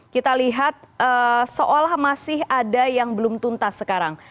kita lihat seolah masih ada yang belum tuntas sekarang